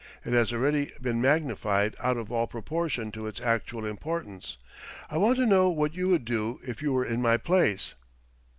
It has already been magnified out of all proportion to its actual importance. I want to know what you would do if you were in my place."